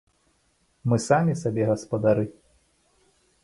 Мы самі сабе гаспадары!